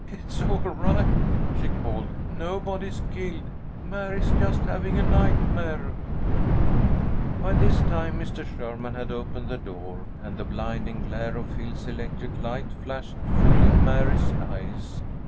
"It's all right!" she called. "Nobody's killed! Mary's just having a nightmare!" By this time Mr. Sherman had opened the door, and the blinding glare of Phil's electric light flashed full in Mary's eyes.